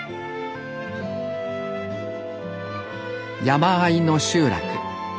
山あいの集落。